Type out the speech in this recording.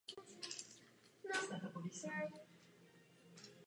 Nese název podle postavy ze Shakespearovy hry Bouře.